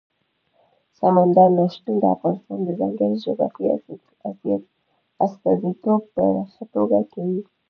سمندر نه شتون د افغانستان د ځانګړي جغرافیې استازیتوب په ښه توګه کوي.